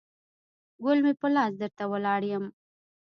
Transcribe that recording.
ګل مې په لاس درته ولاړ یم